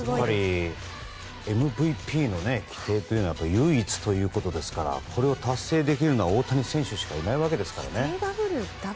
やっぱりＭＶＰの規定は唯一ということですからこれを達成できるのは大谷選手しかいないわけですからね。